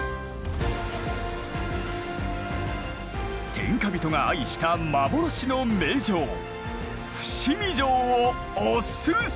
天下人が愛した幻の名城伏見城をおすすめ！